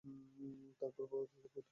তারপর তুমি প্রস্তুত।